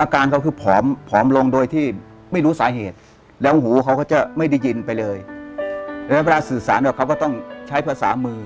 อาการเขาคือผอมผอมลงโดยที่ไม่รู้สาเหตุแล้วหูเขาก็จะไม่ได้ยินไปเลยแล้วเวลาสื่อสารกับเขาก็ต้องใช้ภาษามือ